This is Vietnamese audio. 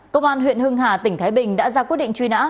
công an huyện hưng hà tỉnh thái bình đã ra quyết định truy nã